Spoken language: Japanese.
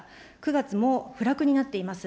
９月も不落になっています。